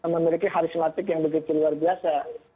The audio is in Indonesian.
memiliki karismatik yang begitu luar biasa